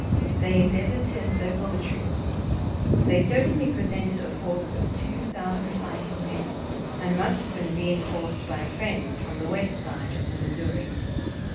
They endeavored to encircle the troops. They certainly presented a force of two thousand fighting men, and must have been reinforced by friends from the west side of the Missouri.